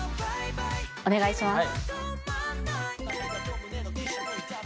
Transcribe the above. お願いします。